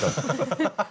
ハハハハ。